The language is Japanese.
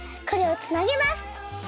これをつなげます。